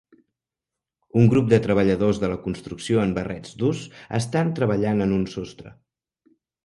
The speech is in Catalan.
Un grup de treballadors de la construcció en barrets durs estan treballant en un sostre